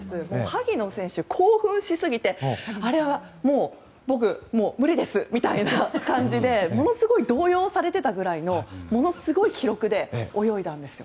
萩野選手、興奮しすぎてあれはもう僕、無理ですみたいな感じでものすごい動揺されていたぐらいの記録で泳いだんです。